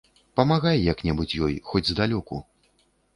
Памагай як-небудзь ёй, хоць здалёку.